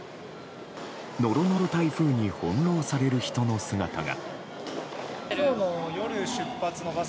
ノロノロ台風に翻弄される人の姿が。